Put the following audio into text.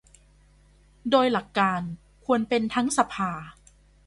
โดยหลักการควรเป็นทั้งสภา